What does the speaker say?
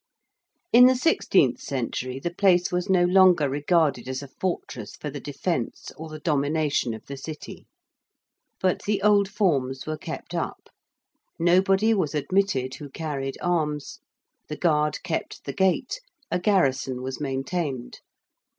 In the sixteenth century the place was no longer regarded as a fortress for the defence or the domination of the City. But the old forms were kept up: nobody was admitted who carried arms: the guard kept the gate: a garrison was maintained.